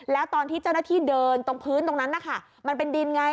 แล้วตอนที่เจ้าหน้าที่เดินตรงพื้นตรงนั้นนะคะมันเป็นดินไง